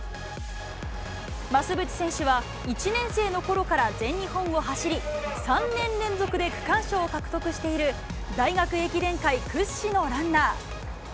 増渕選手は１年生のころから全日本を走り、３年連続で区間賞を獲得している、大学駅伝界屈指のランナー。